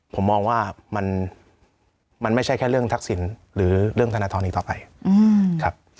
ผมมองว่ามันไม่ใช่แค่เรื่องทักษิณหรือเรื่องธนทรอีกต่อไปครับ